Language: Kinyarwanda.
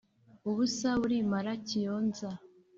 Ubusa burimara Kiyonza